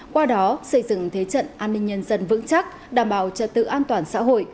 qua đó xây dựng thế trận an ninh nhân dân vững chắc đảm bảo trật tự an toàn xã hội